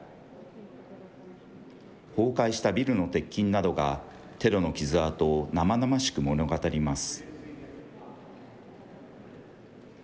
崩壊したビルの鉄筋などが、テロの傷痕を生々しく物語ります。